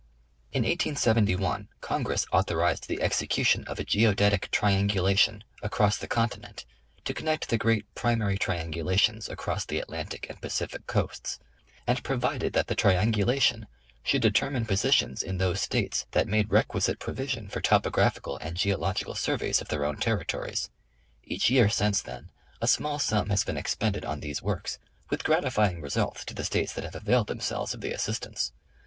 In 1871 Congress authorized the execution of a Geodetic tri angulation across the continent to connect the great primary triangulations along the Atlantic and Pacific coasts, and pro vided that the triangulation should determine positions in those States that made requisite provision for topographical and geo logical surveys of their own territories. Each year since then, a small sum has been expended on these works with gratifying results to the States that have availed themselves of the assist ance.